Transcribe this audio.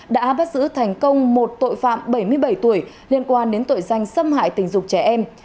đã bắt giữ thành công một tội phạm bảy mươi bảy tuổi liên quan đến tội danh xâm hại tình dục trẻ em